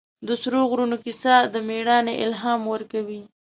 د سرو غرونو کیسه د مېړانې الهام ورکوي.